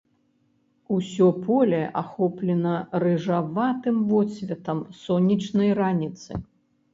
Усё поле ахоплена рыжаватым водсветам сонечнай раніцы.